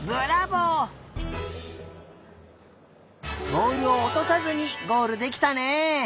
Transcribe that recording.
ぼおるをおとさずにゴールできたね。